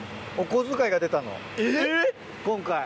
今回。